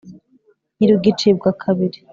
ntirugicibwa kabiri,